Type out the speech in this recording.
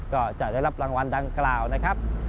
ก็จะได้รับรางวัลดังกล่าวนะครับ